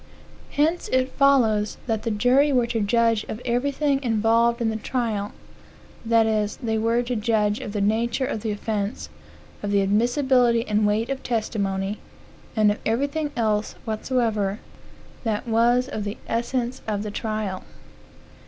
Hence it follows that the jury were to judge of everything involved in the trial; that is, they were to judge of the nature of the offence, of the admissibility and weight of testimony, and of everything else whatsoever that was of the essence of the trial.